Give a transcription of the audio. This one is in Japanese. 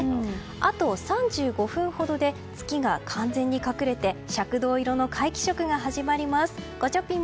あと３５分ほどで月が完全に隠れて赤銅色の皆既食が始まります。